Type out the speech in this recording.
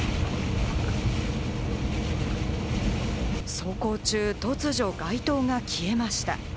走行中、突如、街灯が消えました。